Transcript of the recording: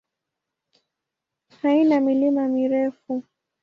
Haina milima mirefu.